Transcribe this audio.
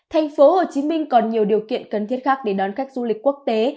thành phố hồ chí minh còn nhiều điều kiện cần thiết khác để đón khách du lịch quốc tế